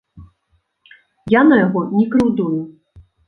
Я на яго не крыўдую.